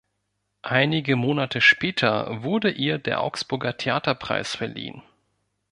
Einige Monate später wurde ihr der Augsburger Theaterpreis verliehen.